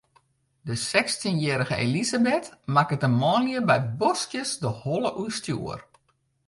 De sechstjinjierrige Elisabeth makket de manlju by boskjes de holle oerstjoer.